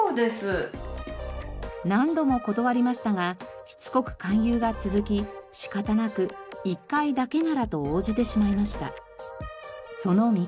何度も断りましたがしつこく勧誘が続き仕方なく１回だけならと応じてしまいました。